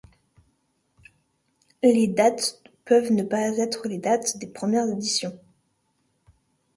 Les dates peuvent ne pas être les dates des premières éditions.